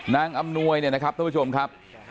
อำนวยเนี่ยนะครับท่านผู้ชมครับ